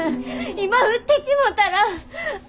今売ってしもたら。